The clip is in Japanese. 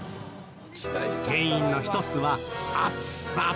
原因の一つは暑さ！